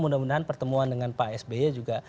mudah mudahan pertemuan dengan pak sby juga